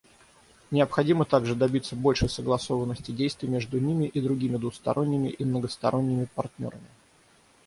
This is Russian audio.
Необходимо также добиться большей согласованности действий между ними и другими двусторонними и многосторонними партнерами.